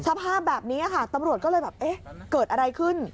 สภาพแบบนี้ค่ะตำรวจก็เลยแบบเอ๊ะเกิดอะไรขึ้น